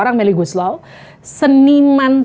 orang meli guslaw seniman